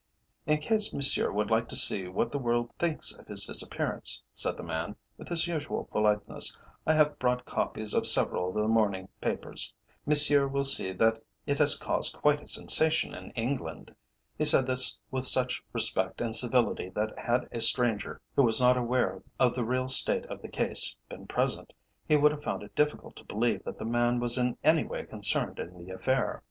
"In case Monsieur would like to see what the world thinks of his disappearance," said the man, with his usual politeness, "I have brought copies of several of the morning papers. Monsieur will see that it has caused quite a sensation in England." He said this with such respect and civility that had a stranger who was not aware of the real state of the case been present, he would have found it difficult to believe that the man was in any way concerned in the affair.